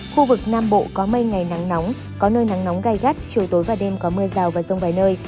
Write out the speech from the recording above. khu vực nam bộ có mây ngày nắng nóng có nơi nắng nóng gai gắt chiều tối và đêm có mưa rào và rông vài nơi